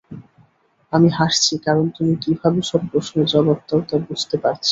আমি হাসছি, কারণ তুমি কীভাবে সব প্রশ্নের জবাব দাও, তা বুঝতে পারছি।